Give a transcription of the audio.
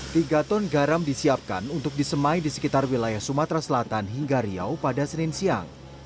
tiga ton garam disiapkan untuk disemai di sekitar wilayah sumatera selatan hingga riau pada senin siang